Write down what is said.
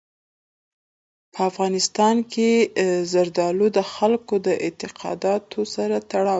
په افغانستان کې زردالو د خلکو د اعتقاداتو سره تړاو لري.